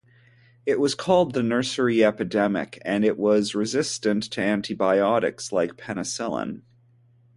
It was called the "nursery epidemic" and it was resistant to antibiotics like penicillin.